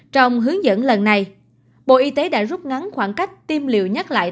trong hướng dẫn lần này bộ y tế đã rút ngắn khoảng cách tiêm liều nhắc lại